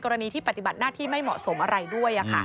ที่ปฏิบัติหน้าที่ไม่เหมาะสมอะไรด้วย